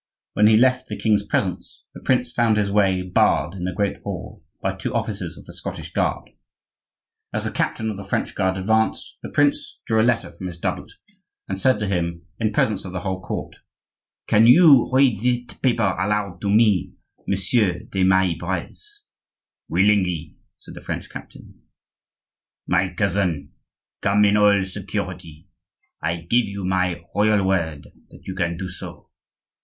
When he left the king's presence the prince found his way barred in the great hall by two officers of the Scottish guard. As the captain of the French guard advanced, the prince drew a letter from his doublet, and said to him in presence of the whole court:— "Can you read that paper aloud to me, Monsieur de Maille Breze?" "Willingly," said the French captain:— "'My cousin, come in all security; I give you my royal word that you can do so.